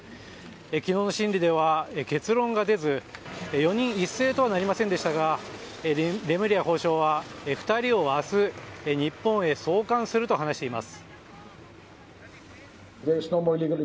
昨日、審理では結論が出ず４人一斉とはなりませんでしたがレムリヤ法相は２人を明日日本へ送還すると話しています。